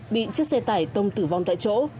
bị chiếc xe tải tông tử vong tại chỗ